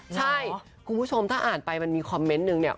ใช่คุณผู้ชมถ้าอ่านไปมันมีคอมเมนต์นึงเนี่ย